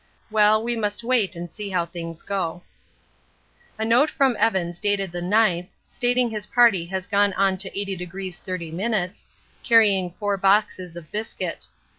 Well, we must wait and see how things go. A note from Evans dated the 9th, stating his party has gone on to 80° 30', carrying four boxes of biscuit.